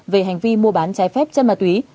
về hành vi mua bán trái phép chất ma túy